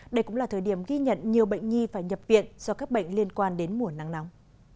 đây cũng là thời điểm ghi nhận nhiều bệnh nhi phải nhập viện do các bệnh liên quan đến mùa nắng nóng